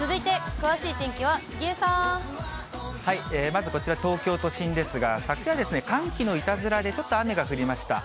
まずこちら、東京都心ですが、昨夜、寒気のいたずらで、ちょっと雨が降りました。